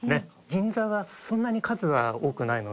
「銀座はそんなに数は多くないので」